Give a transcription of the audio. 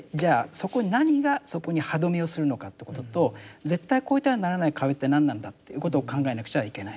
そこに何がそこに歯止めをするのかということと絶対超えてはならない壁って何なんだっていうことを考えなくちゃいけない。